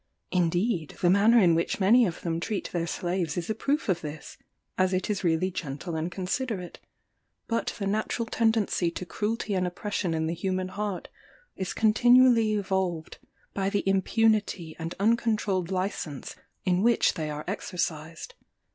Indeed, the manner in which many of them treat their slaves is a proof of this, as it is really gentle and considerate; but the natural tendency to cruelty and oppression in the human heart, is continually evolved by the impunity and uncontrolled licence in which they are exercised.